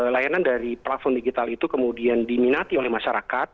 layanan dari platform digital itu kemudian diminati oleh masyarakat